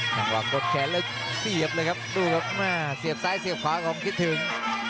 จังหวะกดแขนแล้วเสียบเลยครับดูครับเสียบซ้ายเสียบขวาของคิดถึง